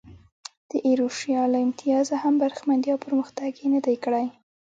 د ایروشیا له امتیازه هم برخمن دي او پرمختګ یې نه دی کړی.